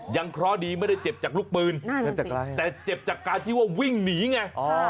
เคราะห์ดีไม่ได้เจ็บจากลูกปืนแต่เจ็บจากการที่ว่าวิ่งหนีไง